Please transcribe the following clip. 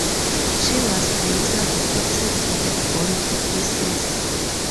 She was later reported to have gone to pieces.